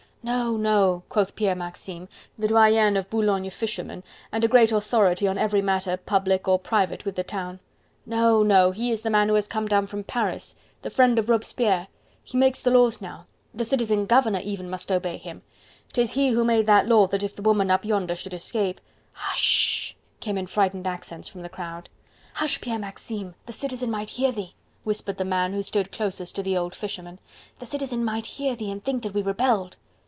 "No! no!" quoth Pierre Maxime, the doyen of Boulogne fishermen, and a great authority on every matter public or private with the town; "no, no he is the man who has come down from Paris, the friend of Robespierre. He makes the laws now, the citizen governor even must obey him. 'Tis he who made the law that if the woman up yonder should escape..." "Hush!... sh!... sh!..." came in frightened accents from the crowd. "Hush, Pierre Maxine!... the Citizen might hear thee," whispered the man who stood closest to the old fisherman; "the Citizen might hear thee, and think that we rebelled...."